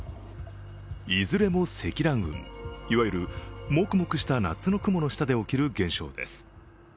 いずれも積乱雲、いわゆるもくもくした夏の雲の下で起きる現象です。